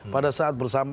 pada saat bersama